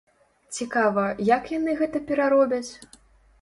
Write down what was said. Цікава, як яны гэта пераробяць.